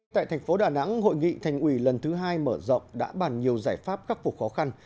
tại thành phố đà nẵng hội nghị thành ủy lần thứ hai mở rộng đã bàn nhiều giải pháp khắc phục khó khăn